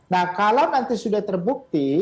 nah kalau nanti sudah terbukti